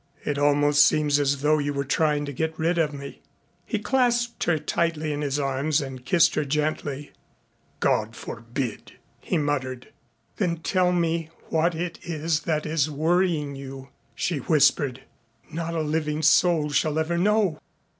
"It almost seems as though you were trying to get rid of me." He clasped her tightly in his arms and kissed her gently. "God forbid," he muttered. "Then tell me what it is that is worrying you," she whispered. "Not a living soul shall ever know.